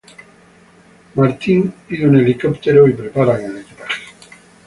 Martin pide un helicóptero y preparan el equipaje.